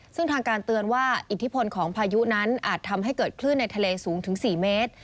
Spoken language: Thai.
ซึ่งทางการเตือนว่าอิทธิพลของพายุนั้นอาจทำให้เกิดคลื่นในทะเลสูงถึง๔เมตร